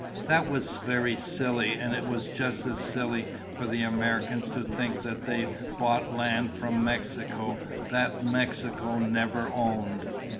"That was very silly, and it was just as silly for the Americans to think they bought land from Mexico that Mexico never owned.